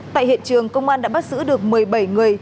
tại hiện trường công an đã bắt giữ được một mươi bảy người